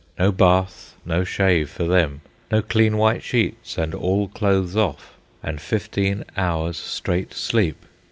No bath, no shave for them, no clean white sheets and all clothes off, and fifteen hours' straight sleep.